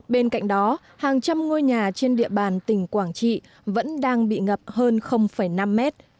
bên cạnh đó hàng trăm ngôi nhà trên địa bàn tỉnh quảng trị vẫn đang bị ngập hơn năm mét